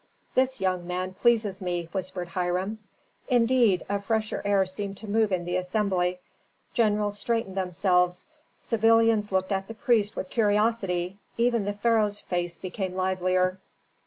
"This young man pleases me," whispered Hiram. Indeed a fresher air seemed to move in the assembly. Generals straightened themselves; civilians looked at the priest with curiosity; even the pharaoh's face became livelier.